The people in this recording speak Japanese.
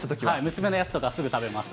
娘のやつとか、すぐ食べます。